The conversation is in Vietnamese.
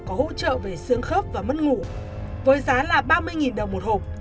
có hỗ trợ về xương khớp và mất ngủ với giá là ba mươi đồng một hộp